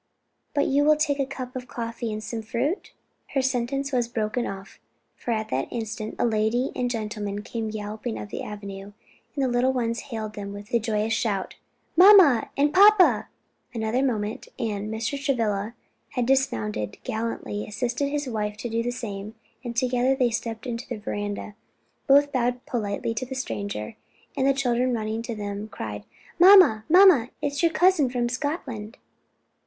"But you will take a cup of coffee and some fruit " Her sentence was broken off; for at that instant a lady and gentleman came galloping up the avenue and the little ones hailed them with a joyous shout, "Papa and mamma!" Another moment and Mr. Travilla had dismounted, gallantly assisted his wife to do the same and together they stepped into the veranda. Both bowed politely to the stranger, and the children running to them cried, "Mamma, mamma, it is your cousin from Scotland."